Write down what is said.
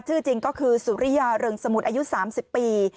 จริงก็คือสุริยาเริงสมุทรอายุ๓๐ปี